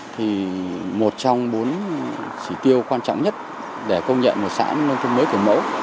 thì một trong bốn sử tiêu quan trọng nhất để công nhận một xã nông thông mới kiểu mẫu